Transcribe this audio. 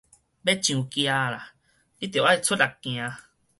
欲上崎矣，你著愛出力行